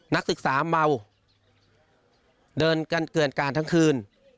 นักศึกษาเมาเดินกันเกินการทั้งคืน